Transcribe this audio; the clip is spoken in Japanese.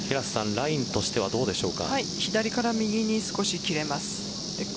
ラインとしては左から右に少し切れます。